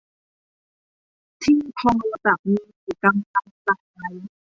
ที่พอจะมีกำลังจ่าย